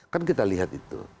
kan kita lihat itu